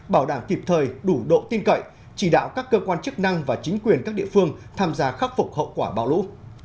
bảo đảm kịp thời đủ độ tin cậy chỉ đạo các cơ quan chức năng và chính quyền các địa phương tham gia khắc phục hậu quả bão lũ